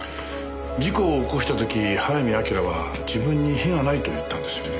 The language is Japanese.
事故を起こした時早見明は自分に非はないと言ったんですよね？